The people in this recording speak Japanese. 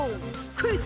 クイズ！